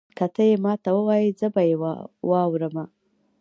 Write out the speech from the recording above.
که تۀ یې ماته ووایي زه به یې واورمه.